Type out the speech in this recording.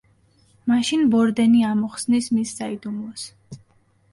მაშინ ბორდენი ამოხსნის მის საიდუმლოს.